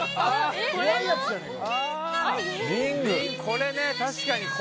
これね確かに。